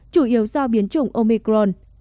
chủ yếu do biến chủng omicron